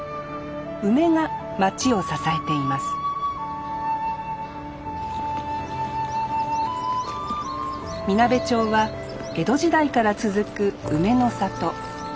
梅が町を支えていますみなべ町は江戸時代から続く梅の里。